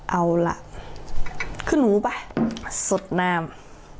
เอาล่ะขึ้นหูไปสดน้ำ